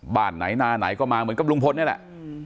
บ้านไหนหน้าไหนก็มาเหมือนกับลุงพลนี่แหละ